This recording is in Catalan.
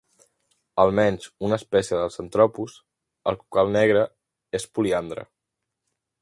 Almenys una espècie de "Centropus", el cucal negre, és poliandre.